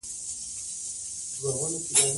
هوا د افغانستان په طبیعت کې مهم رول لري.